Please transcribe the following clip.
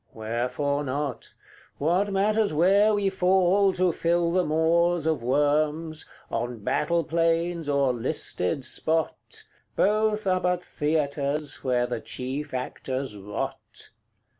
Wherefore not? What matters where we fall to fill the maws Of worms on battle plains or listed spot? Both are but theatres where the chief actors rot.